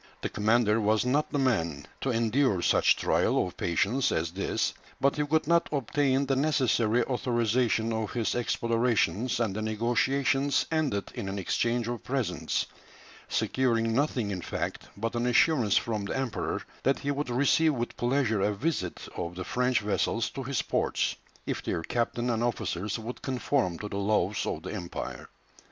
The commander was not the man to endure such trial of patience as this, but he could not obtain the necessary authorization of his explorations, and the negotiations ended in an exchange of presents, securing nothing in fact but an assurance from the Emperor that he would receive with pleasure a visit of the French vessels to his ports, if their captain and officers would conform to the laws of the Empire.